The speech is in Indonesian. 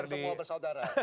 semoga semua bersaudara